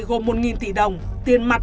gồm một tỷ đồng tiền mặt